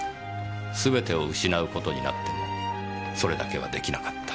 すべてを失う事になってもそれだけはできなかった。